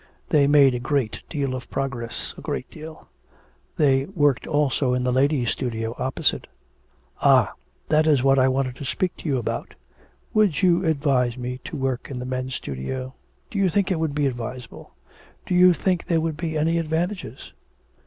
They made a great deal of progress a great deal. They worked also in the ladies' studio, opposite.' 'Ah, that is what I wanted to speak to you about. Would you advise me to work in the men's studio? Do you think it would be advisable? Do you think there would be any advantages?'